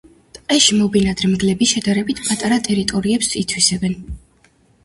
ტყეში მობინადრე მგლები შედარებით პატარა ტერიტორიებს ითვისებენ.